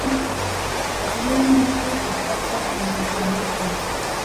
Daniel nunca se casó y no tuvo hijos.